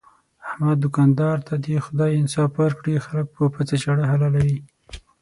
احمد دوکاندار ته دې خدای انصاف ورکړي، خلک په پڅه چاړه حلالوي.